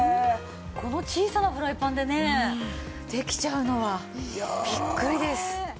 この小さなフライパンでねできちゃうのはビックリです！